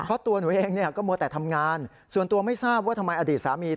เพราะตัวหนูเองเนี่ยก็มัวแต่ทำงานส่วนตัวไม่ทราบว่าทำไมอดีตสามี